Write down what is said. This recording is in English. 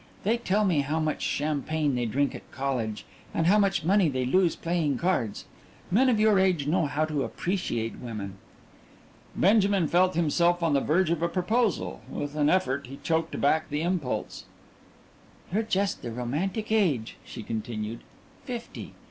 They tell me how much champagne they drink at college, and how much money they lose playing cards. Men of your age know how to appreciate women." Benjamin felt himself on the verge of a proposal with an effort he choked back the impulse. "You're just the romantic age," she continued "fifty.